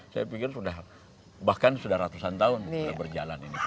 saya pikir sudah bahkan sudah ratusan tahun sudah berjalan ini